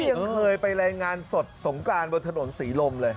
ยังเคยไปรายงานสดสงกรานบนถนนศรีลมเลย